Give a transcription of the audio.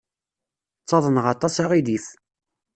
Ttaḍneɣ aṭas aɣilif.